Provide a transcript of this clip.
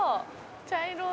茶色い。